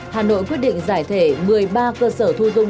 hà nội quyết định giải thể một mươi ba cơ sở thu dung